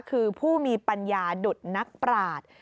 คือผู้มีปัญญาดุดนักปราศ